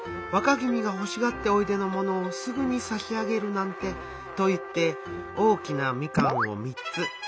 若君がほしがっておいでものをすぐにさし上げるなんて」と言って大きなみかんを３つ。